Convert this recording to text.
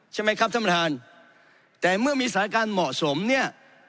ใช่ไหมครับท่านประธานแต่เมื่อมีสถานการณ์เหมาะสมเนี่ย